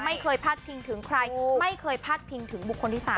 ไม่เคยพาดพิงถึงใครไม่เคยพาดพิงถึงบุคคลที่สาม